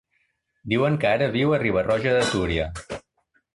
Diuen que ara viu a Riba-roja de Túria.